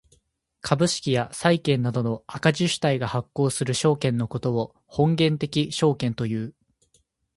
株式や債券などの赤字主体が発行する証券のことを本源的証券という。